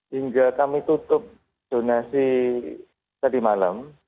hingga kami tutup donasi tadi malam